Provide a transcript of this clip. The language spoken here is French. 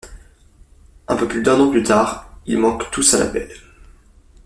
Un peu plus d'un an plus tard, ils manquent tous à l'appel!